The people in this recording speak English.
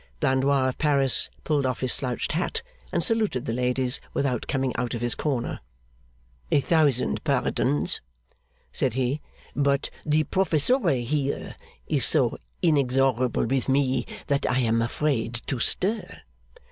Blandois of Paris pulled off his slouched hat, and saluted the ladies without coming out of his corner. 'A thousand pardons!' said he. 'But the Professore here is so inexorable with me, that I am afraid to stir.